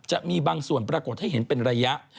จะมีบางส่วนปรากฏให้เห็นเป็นระยะ